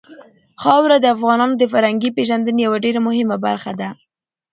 خاوره د افغانانو د فرهنګي پیژندنې یوه ډېره مهمه برخه ده.